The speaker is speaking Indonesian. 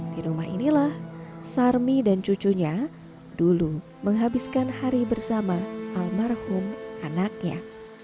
di rumah inilah sarmi dan cucunya dulu menghabiskan hari bersama almarhum anaknya